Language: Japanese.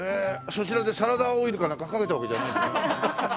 そちらでサラダオイルかなんかかけたわけじゃない？